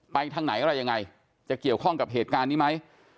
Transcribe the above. ทางไหนอะไรยังไงจะเกี่ยวข้องกับเหตุการณ์นี้ไหม